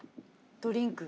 ドリンク。